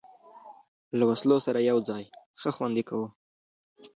له وسلو سره یو ځای، ښه خوند یې کاوه.